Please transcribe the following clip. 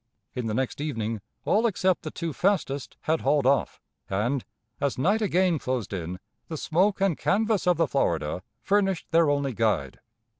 In the next evening all except the two fastest had hauled off, and, as night again closed in, the smoke and canvas of the Florida furnished their only guide.